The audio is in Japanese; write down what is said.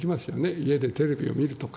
家でテレビを見るとか。